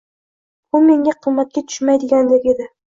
Bu menga qimmatga tushmaydigandek edi